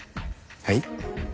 はい？